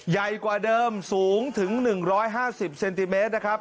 ใหญ่กว่าเดิมสูงถึงหนึ่งร้อยห้าสิบเซนติเมตรนะครับ